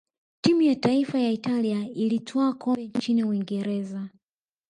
timu ya taifa ya italia ilitwaa kombe nchini uingereza